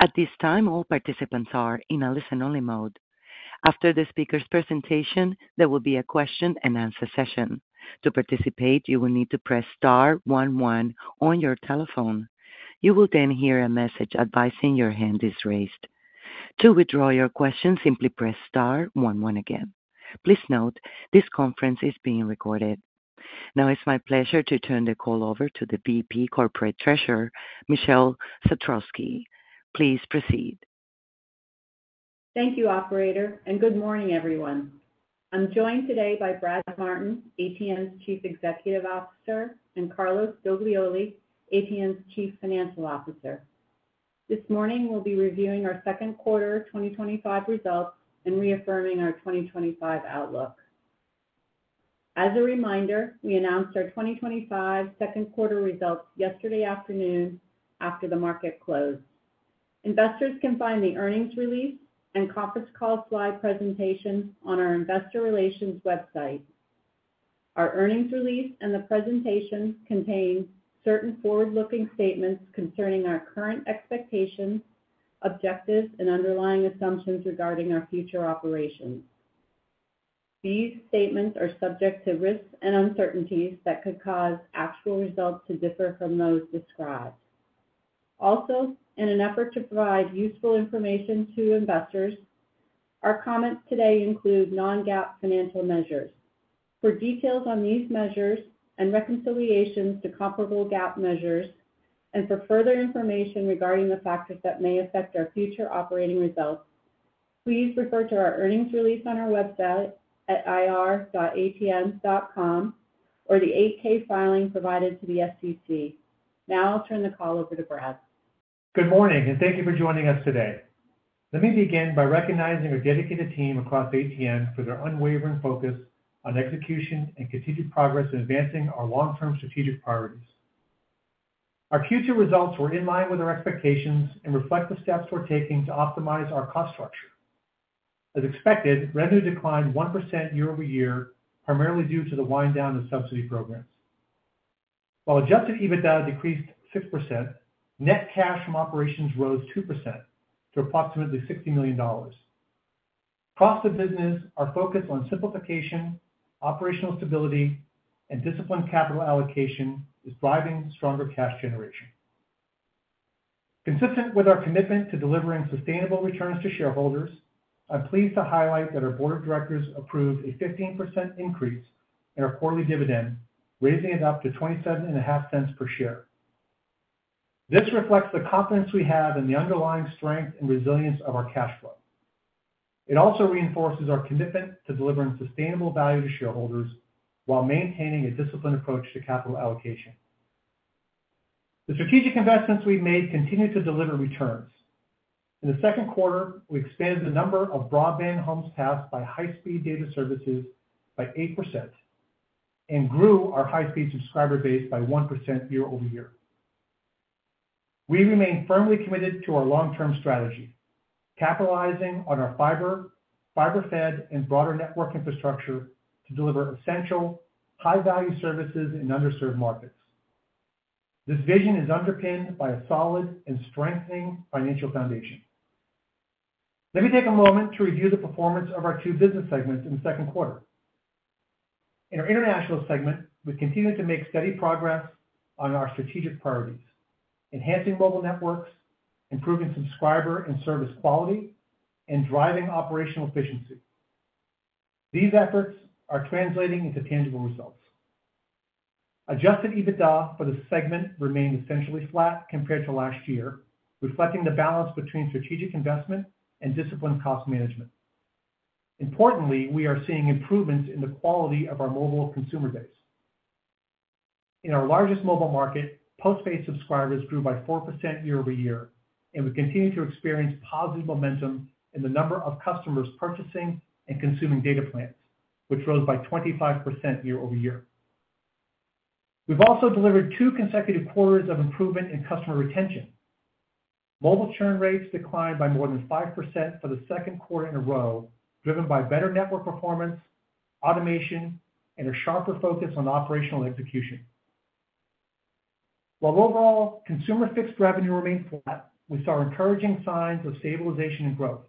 At this time, all participants are in a listen-only mode. After the speaker's presentation, there will be a question-and-answer session. To participate, you will need to press star star one one on your telephone. You will then hear a message advising your hand is raised. To withdraw your question, simply press star one one again. Please note this conference is being recorded. Now it's my pleasure to turn the call over to the VP Corporate Treasurer, Michele Satrowsky. Please proceed. Thank you, operator, and good morning, everyone. I'm joined today by Brad Martin, ATN's Chief Executive Officer, and Carlos Doglioli, ATN's Chief Financial Officer. This morning, we'll be reviewing our second quarter 2025 results and reaffirming our 2025 outlook. As a reminder, we announced our 2025 second quarter results yesterday afternoon after the market closed. Investors can find the earnings release and conference call slide presentations on our Investor Relations website. Our earnings release and the presentation contain certain forward-looking statements concerning our current expectations, objectives, and underlying assumptions regarding our future operations. These statements are subject to risks and uncertainties that could cause actual results to differ from those described. Also, in an effort to provide useful information to investors, our comments today include non-GAAP financial measures. For details on these measures and reconciliations to comparable GAAP measures, and for further information regarding the factors that may affect our future operating results, please refer to our earnings release on our website at ir.atni.com or the 8-K filing provided to the SEC. Now I'll turn the call over to Brad. Good morning, and thank you for joining us today. Let me begin by recognizing our dedicated team across ATN for their unwavering focus on execution and continuous progress in advancing our long-term strategic priorities. Our future results were in line with our expectations and reflect the steps we're taking to optimize our cost structure. As expected, revenue declined 1% year-over-year, primarily due to the wind-down of subsidy programs. While adjusted EBITDA decreased 6%, net cash from operations rose 2% to approximately $60 million. Across the business, our focus on simplification, operational stability, and disciplined capital allocation is driving stronger cash generation. Consistent with our commitment to delivering sustainable returns to shareholders, I'm pleased to highlight that our Board of Directors approved a 15% increase in our quarterly dividend, raising it up to $0.275 per share. This reflects the confidence we have in the underlying strength and resilience of our cash flow. It also reinforces our commitment to delivering sustainable value to shareholders while maintaining a disciplined approach to capital allocation. The strategic investments we've made continue to deliver returns. In the second quarter, we expanded the number of broadband homes passed by high-speed data services by 8% and grew our high-speed subscriber base by 1% year-over-year. We remain firmly committed to our long-term strategy, capitalizing on our fiber, fiber-fed, and broader network infrastructure to deliver essential high-value services in underserved markets. This vision is underpinned by a solid and strengthening financial foundation. Let me take a moment to review the performance of our two business segments in the second quarter. In our international segment, we continue to make steady progress on our strategic priorities, enhancing mobile networks, improving subscriber and service quality, and driving operational efficiency. These efforts are translating into tangible results. Adjusted EBITDA for the segment remains essentially flat compared to last year, reflecting the balance between strategic investment and disciplined cost management. Importantly, we are seeing improvements in the quality of our mobile consumer base. In our largest mobile market, postpaid subscribers grew by 4% year-over-year, and we continue to experience positive momentum in the number of customers purchasing and consuming data plans, which rose by 25% year-over-year. We've also delivered two consecutive quarters of improvement in customer retention. Mobile churn rates declined by more than 5% for the second quarter in a row, driven by better network performance, automation, and a sharper focus on operational execution. While overall consumer fixed revenue remains flat, we saw encouraging signs of stabilization and growth.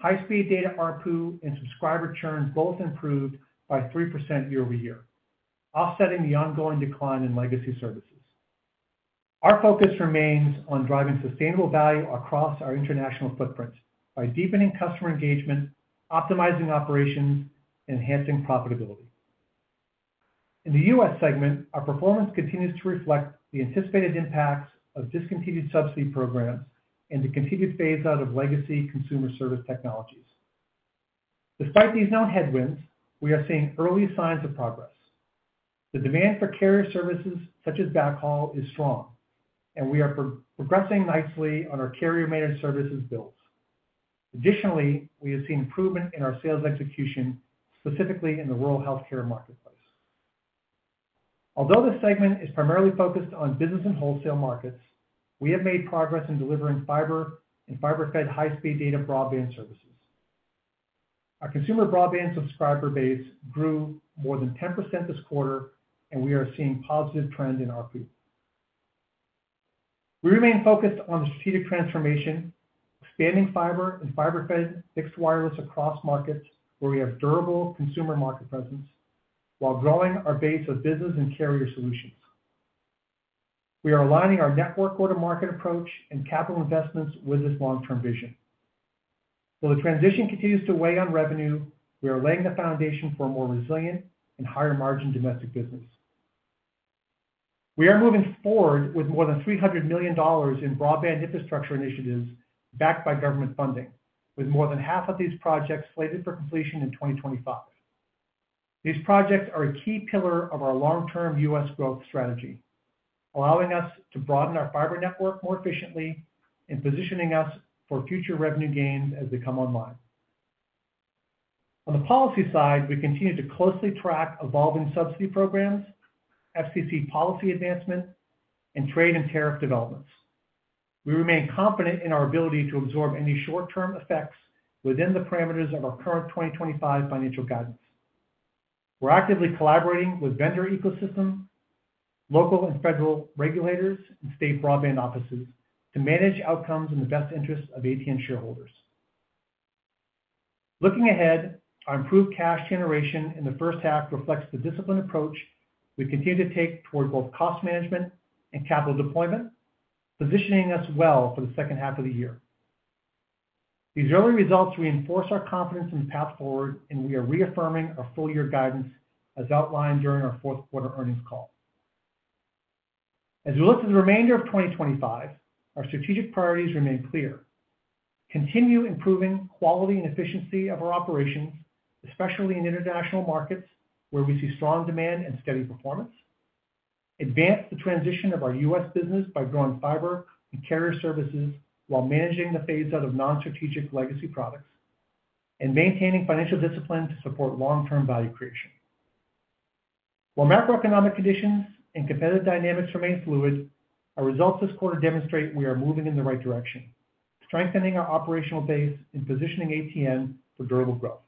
High-speed data ARPU and subscriber churn both improved by 3% year-over-year, offsetting the ongoing decline in legacy services. Our focus remains on driving sustainable value across our international footprint by deepening customer engagement, optimizing operations, and enhancing profitability. In the U.S. segment, our performance continues to reflect the anticipated impacts of the discontinued subsidy program and the continued phase-out of legacy consumer service technologies. Despite these known headwinds, we are seeing early signs of progress. The demand for carrier services such as backhaul is strong, and we are progressing nicely on our carrier-managed services bills. Additionally, we have seen improvement in our sales execution, specifically in the rural healthcare marketplace. Although this segment is primarily focused on business and wholesale markets, we have made progress in delivering fiber and fiber-fed high-speed data broadband services. Our consumer broadband subscriber base grew more than 10% this quarter, and we are seeing a positive trend in ARPU. We remain focused on the strategic transformation, expanding fiber and fiber-fed fixed wireless across markets where we have durable consumer market presence while growing our base of business and carrier solutions. We are aligning our network go-to-market approach and capital investments with this long-term vision. While the transition continues to weigh on revenue, we are laying the foundation for a more resilient and higher margin domestic business. We are moving forward with more than $300 million in broadband infrastructure initiatives backed by government funding, with more than half of these projects slated for completion in 2025. These projects are a key pillar of our long-term U.S. growth strategy, allowing us to broaden our fiber network more efficiently and positioning us for future revenue gains as they come online. On the policy side, we continue to closely track evolving subsidy programs, FCC policy advancement, and trade and tariff developments. We remain confident in our ability to absorb any short-term effects within the parameters of our current 2025 financial guidance. We're actively collaborating with vendor ecosystem, local and federal regulators, and state broadband offices to manage outcomes in the best interests of ATN shareholders. Looking ahead, our improved cash generation in the first half reflects the disciplined approach we continue to take toward both cost management and capital deployment, positioning us well for the second half of the year. These early results reinforce our confidence in the path forward, and we are reaffirming our full-year guidance as outlined during our fourth quarter earnings call. As we look to the remainder of 2025, our strategic priorities remain clear: continue improving quality and efficiency of our operations, especially in international markets where we see strong demand and steady performance, advance the transition of our U.S. business by growing fiber and carrier services while managing the phase-out of non-strategic legacy products, and maintaining financial discipline to support long-term value creation. While macroeconomic conditions and competitive dynamics remain fluid, our results this quarter demonstrate we are moving in the right direction, strengthening our operational base and positioning ATN for durable growth.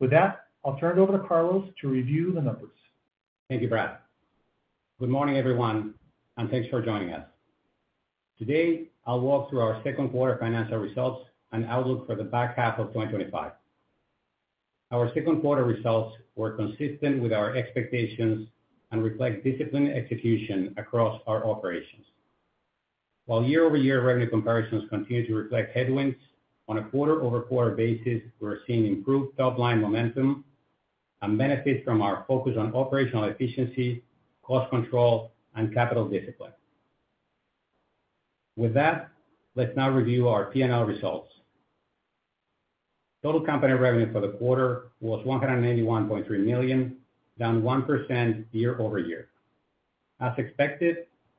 With that, I'll turn it over to Carlos to review the numbers. Thank you, Brad. Good morning, everyone, and thanks for joining us. Today, I'll walk through our second quarter financial results and outlook for the back-half of 2025. Our second quarter results were consistent with our expectations and reflect disciplined execution across our operations. While year-over-year revenue comparisons continue to reflect headwinds, on a quarter-over-quarter basis, we're seeing improved top-line momentum and benefits from our focus on operational efficiency, cost control, and capital discipline. With that, let's now review our P&L results. Total company revenue for the quarter was $191.3 million, down 1% year-over-year. As expected,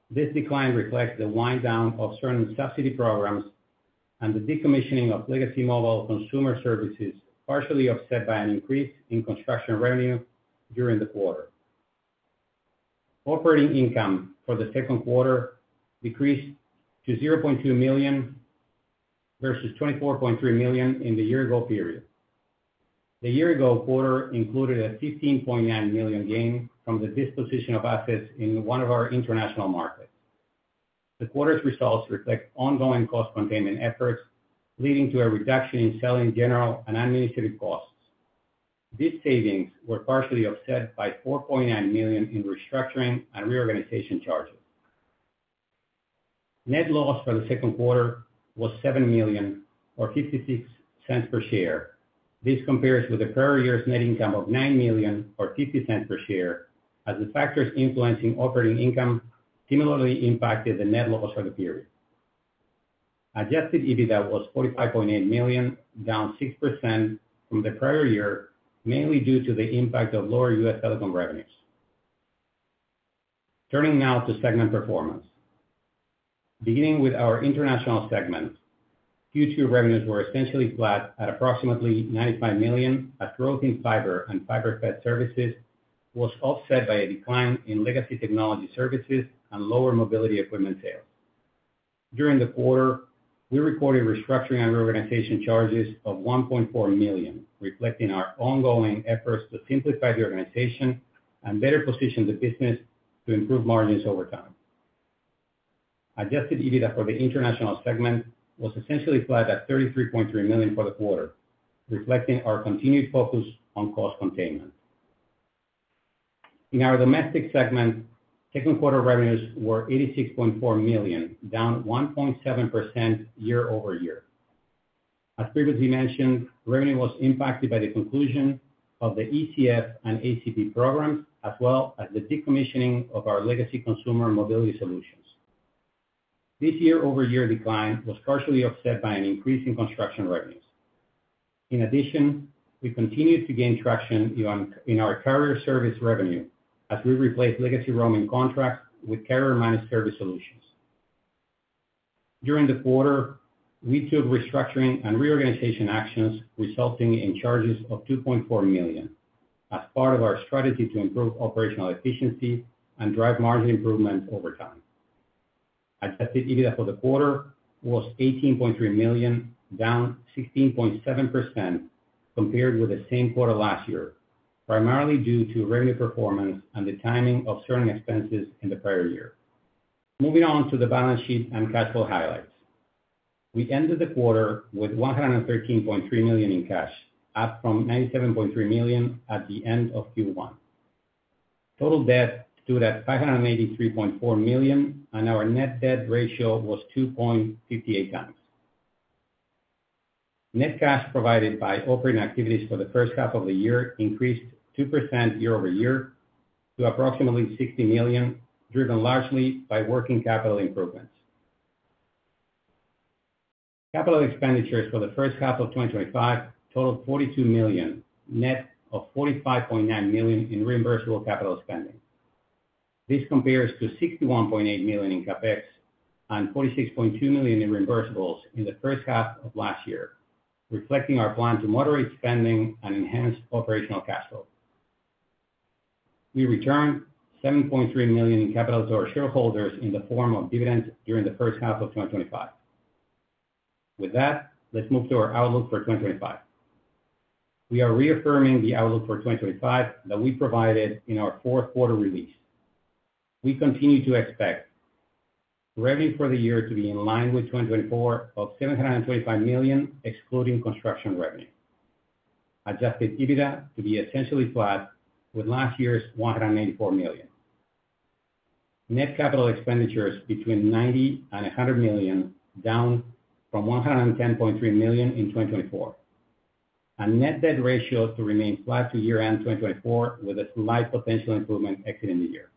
this decline reflects the wind-down of certain subsidy programs and the decommissioning of legacy mobile consumer services, partially offset by an increase in construction revenue during the quarter. Operating income for the second quarter decreased to $0.2 million versus $24.3 million in the year-ago period. The year-ago quarter included a $15.9 million gain from the disposition of assets in one of our international markets. The quarter's results reflect ongoing cost containment efforts leading to a reduction in selling, general, and administrative costs. These savings were partially offset by $4.9 million in restructuring and reorganization charges. Net loss for the second quarter was $7 million or $0.56 per share. This compares with the prior year's net income of $9 million or $0.50 per share, as the factors influencing operating income similarly impacted the net loss for the period. Adjusted EBITDA was $45.8 million, down 6% from the prior year, mainly due to the impact of lower U.S. telecom revenues. Turning now to segment performance. Beginning with our international segment, Q2 revenues were essentially flat at approximately $95 million, a growth in fiber and fiber-fed services that was offset by a decline in legacy technology services and lower mobility equipment sales. During the quarter, we recorded restructuring and reorganization charges of $1.4 million, reflecting our ongoing efforts to simplify the organization and better position the business to improve margins over time. Adjusted EBITDA for the international segment was essentially flat at $33.3 million for the quarter, reflecting our continued focus on cost containment. In our domestic segment, second quarter revenues were $86.4 million, down 1.7% year-over-year. As previously mentioned, revenue was impacted by the conclusion of the ECF and ACP programs, as well as the decommissioning of our legacy consumer mobility solutions. This year-over-year decline was partially offset by an increase in construction revenues. In addition, we continued to gain traction in our carrier service revenue as we replaced legacy roaming contracts with carrier-managed service solutions. During the quarter, we took restructuring and reorganization actions, resulting in charges of $2.4 million as part of our strategy to improve operational efficiency and drive margin improvement over time. Adjusted EBITDA for the quarter was $18.3 million, down 16.7% compared with the same quarter last year, primarily due to revenue performance and the timing of certain expenses in the prior year. Moving on to the balance sheet and cash flow highlights, we ended the quarter with $113.3 million in cash, up from $97.3 million at the end of Q1. Total debt stood at $583.4 million, and our net debt ratio was 2.58x. Net cash provided by operating activities for the first half of the year increased 2% year-over-year to approximately $60 million, driven largely by working capital improvements. Capital expenditures for the first-half of 2025 totaled $42 million, net of $45.9 million in reimbursable capital spending. This compares to $61.8 million in CapEx and $46.2 million in reimbursables in the first-half of last year, reflecting our plan to moderate spending and enhance operational cash flow. We returned $7.3 million in capital to our shareholders in the form of dividends during the first-half of 2025. With that, let's move to our outlook for 2025. We are reaffirming the outlook for 2025 that we provided in our fourth quarter release. We continue to expect revenue for the year to be in line with 2024 of $725 million, excluding construction revenue. Adjusted EBITDA to be essentially flat with last year's $194 million. Net capital expenditures between $90 million and $100 million, down from $110.3 million in 2024, and net debt ratio to remain flat to year-end 2024 with a slight potential improvement exiting the year.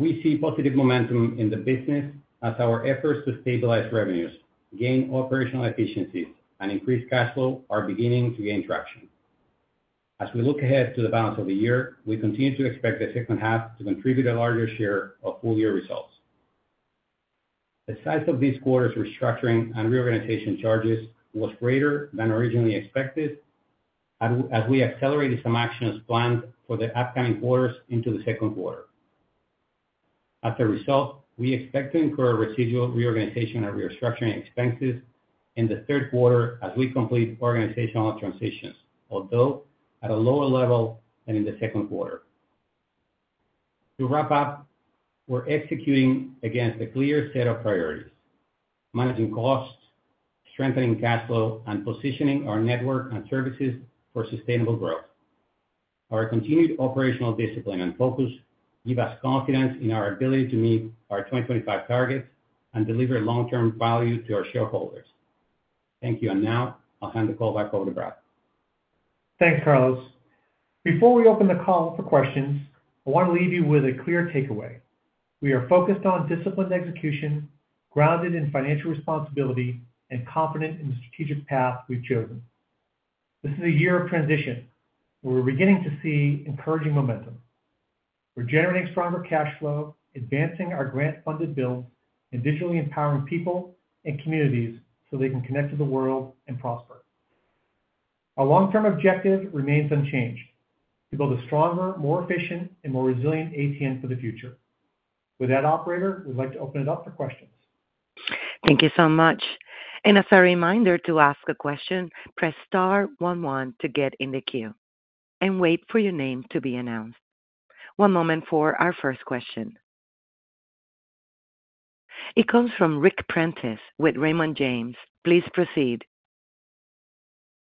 We see positive momentum in the business as our efforts to stabilize revenues, gain operational efficiency, and increase cash flow are beginning to gain traction. As we look ahead to the balance of the year, we continue to expect the second half to contribute a larger share of full-year results. The size of this quarter's restructuring and reorganization charges was greater than originally expected, as we accelerated some actions planned for the upcoming quarters into the second quarter. As a result, we expect to incur residual reorganization and restructuring expenses in the third quarter as we complete organizational transitions, although at a lower level than in the second quarter. To wrap up, we're executing against a clear set of priorities: managing costs, strengthening cash flow, and positioning our network and services for sustainable growth. Our continued operational discipline and focus give us confidence in our ability to meet our 2025 targets and deliver long-term value to our shareholders. Thank you, and now I'll hand the call back over to Brad. Thanks, Carlos. Before we open the call for questions, I want to leave you with a clear takeaway. We are focused on disciplined execution, grounded in financial responsibility, and confident in the strategic path we've chosen. This is a year of transition where we're beginning to see encouraging momentum. We're generating stronger cash flow, advancing our grant-funded bill, and digitally empowering people and communities so they can connect to the world and prosper. Our long-term objective remains unchanged: to build a stronger, more efficient, and more resilient ATN for the future. With that, operator, we'd like to open it up for questions. Thank you so much. As a reminder to ask a question, press star one one to get in the queue and wait for your name to be announced. One moment for our first question. It comes from Ric Prentiss with Raymond James. Please proceed.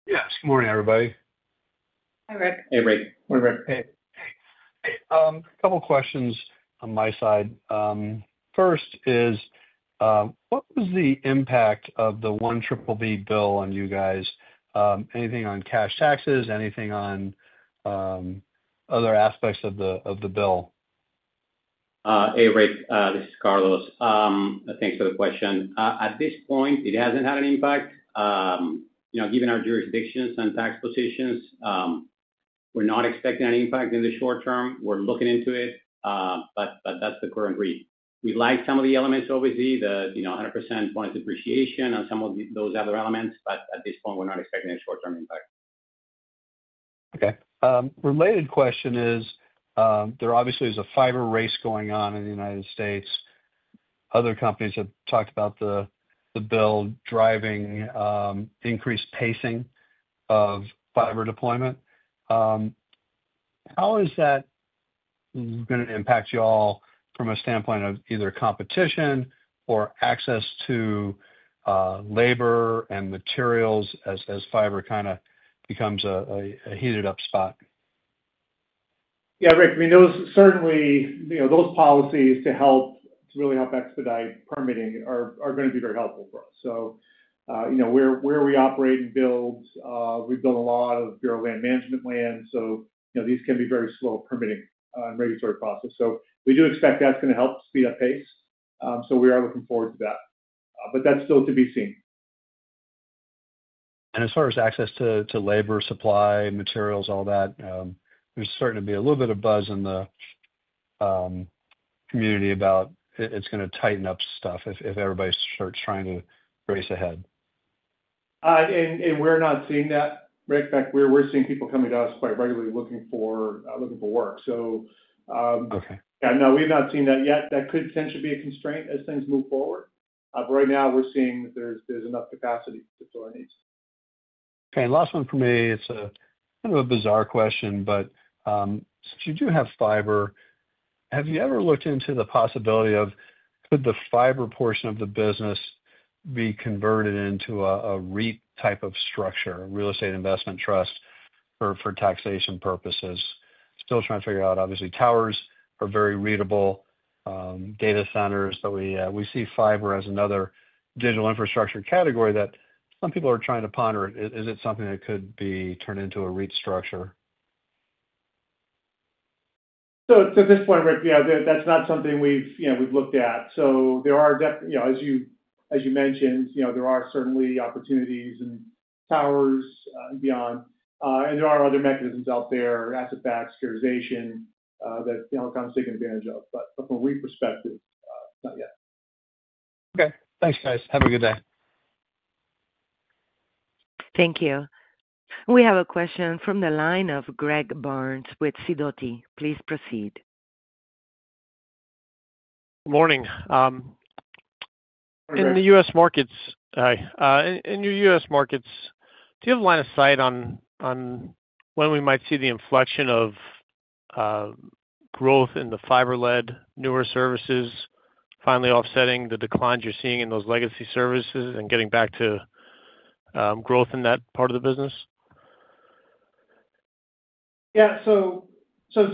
Yes, good morning, everybody. Hi, Ric. Hey, Ric. Morning, Ric. Hey, couple of questions on my side. First, what was the impact of the one triple bill on you guys? Anything on cash taxes, anything on other aspects of the bill? Hey, Ric. This is Carlos. Thanks for the question. At this point, it hasn't had an impact. Given our jurisdictions and tax positions, we're not expecting an impact in the short-term. We're looking into it, but that's the current read. We like some of the elements of it, the 100% points of depreciation and some of those other elements, but at this point, we're not expecting a short-term impact. Okay. Related question is, there obviously is a fiber race going on in the U.S. Other companies have talked about the bill driving increased pacing of fiber deployment. How is that going to impact you all from a standpoint of either competition or access to labor and materials as fiber kind of becomes a heated-up spot? Yeah, Ric, I mean, those certainly, you know, those policies to help, to really help expedite permitting are going to be very helpful for us. Where we operate and build, we build a lot of Bureau of Land Management land, so these can be very slow permitting and regulatory process. We do expect that's going to help speed up pace. We are looking forward to that. That's still to be seen. As far as access to labor, supply, materials, all that, there's starting to be a little bit of buzz in the community about it is going to tighten up stuff if everybody starts trying to race ahead. We're not seeing that, Ric. In fact, we're seeing people coming to us quite regularly looking for work. Yeah, no, we've not seen that yet. That could potentially be a constraint as things move forward, but right now, we're seeing that there's enough capacity to fill our needs. Okay. Last one for me, it's a kind of a bizarre question, but since you do have fiber, have you ever looked into the possibility of could the fiber portion of the business be converted into a REIT type of structure, a real estate investment trust for taxation purposes? Still trying to figure out, obviously, towers are very readable, data centers, but we see fiber as another digital infrastructure category that some people are trying to ponder. Is it something that could be turned into a REIT structure? To this point, Ric, that's not something we've looked at. There are, as you mentioned, certainly opportunities in towers and beyond. There are other mechanisms out there, asset-backed securitization that I'll come taking advantage of. From a REIT perspective, not yet. Okay, thanks, guys. Have a good day. Thank you. We have a question from the line of Greg Burns with Sidoti. Please proceed. Good morning. In the U.S. markets, hi. In your U.S. markets, do you have a line of sight on when we might see the inflection of growth in the fiber-led newer services finally offsetting the declines you're seeing in those legacy services and getting back to growth in that part of the business?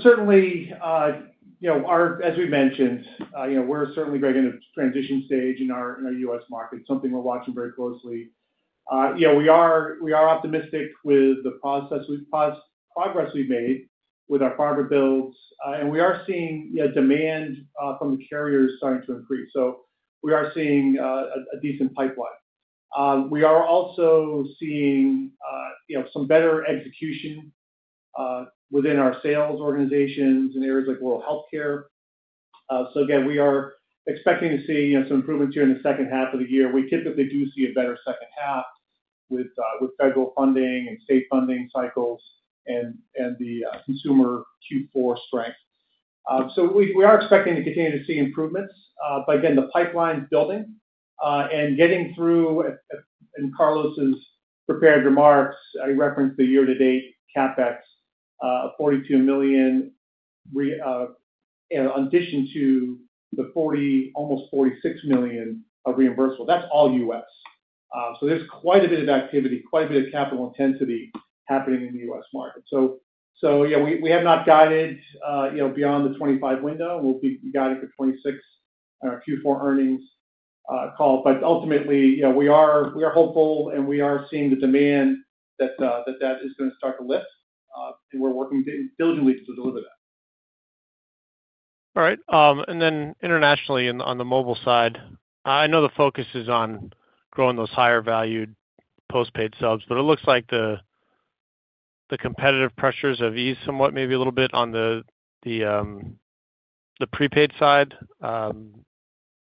Certainly, as we mentioned, we're certainly right in a transition stage in our U.S. market, something we're watching very closely. We are optimistic with the progress we've made with our fiber builds, and we are seeing demand from the carriers starting to increase. We are seeing a decent pipeline. We are also seeing some better execution within our sales organizations in areas like rural healthcare. Again, we are expecting to see some improvements here in the second half of the year. We typically do see a better second half with federal funding and state funding cycles and the consumer Q4 strength. We are expecting to continue to see improvements. The pipeline is building. In Carlos's prepared remarks, I referenced the year-to-date CapEx of $42 million, in addition to the almost $46 million of reimbursable. That's all U.S. There is quite a bit of activity, quite a bit of capital intensity happening in the U.S. market. We have not guided beyond the 2025 window. We'll be guided for 2026 on our Q4 earnings call. Ultimately, we are hopeful and we are seeing the demand that is going to start to lift. We're working diligently to deliver that. All right. Internationally on the mobile side, I know the focus is on growing those higher-valued postpaid subs, but it looks like the competitive pressures have eased somewhat, maybe a little bit on the prepaid side.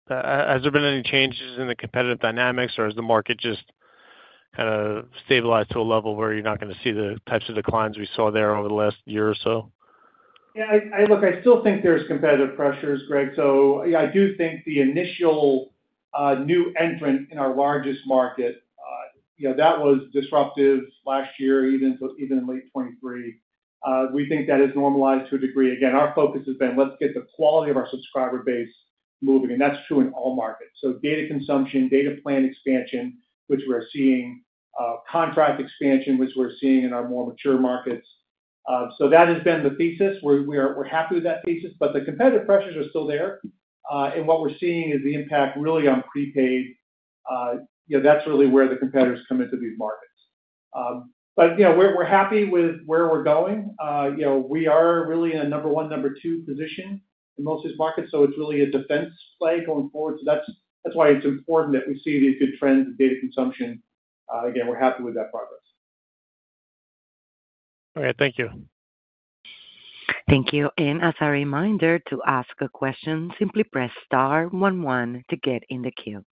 Has there been any changes in the competitive dynamics, or has the market just kind of stabilized to a level where you're not going to see the types of declines we saw there over the last year or so? Yeah, I still think there's competitive pressures, Greg. I do think the initial new entrant in our largest market, you know, that was disruptive last year, even in late 2023. We think that has normalized to a degree. Again, our focus has been, let's get the quality of our subscriber base moving. That's true in all markets. Data consumption, data plan expansion, which we're seeing, contract expansion, which we're seeing in our more mature markets. That has been the thesis. We're happy with that thesis, but the competitive pressures are still there. What we're seeing is the impact really on prepaid. That's really where the competitors come into these markets. We're happy with where we're going. We are really in a number one, number two position in most of these markets. It's really a defense play going forward. That's why it's important that we see these good trends in data consumption. Again, we're happy with that progress. All right. Thank you. Thank you. As a reminder, to ask a question, simply press star one one to get in the queue.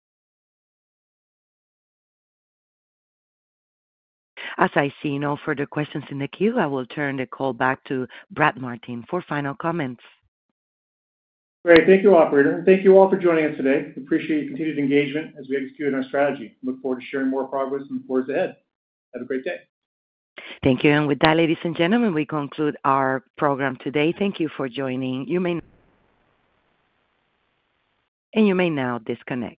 As I see no further questions in the queue, I will turn the call back to Brad Martin for final comments. Great. Thank you, operator. Thank you all for joining us today. Appreciate your continued engagement as we execute on our strategy. Look forward to sharing more progress and the boards ahead. Have a great day. Thank you. With that, ladies and gentlemen, we conclude our program today. Thank you for joining. You may now disconnect.